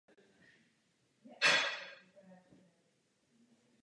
Čtvrtina parku leží nad hranicí lesa.